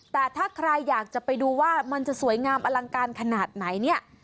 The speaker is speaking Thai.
แต่ถ้าใครอยากจะไปดูว่ามันจะสวยงามอลังการขนาดไหนเนี่ย